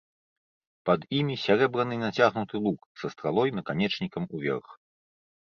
Пад імі сярэбраны нацягнуты лук са стралой наканечнікам уверх.